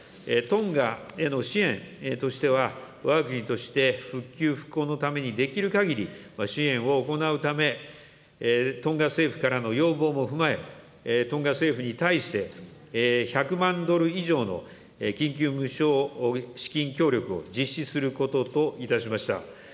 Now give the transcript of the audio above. トンガへの支援としては、わが国として復旧復興のためにできるかぎり支援を行うため、トンガ政府からの要望も踏まえ、トンガ政府に対して、１００万ドル以上の緊急無償資金協力を実施することといたしました。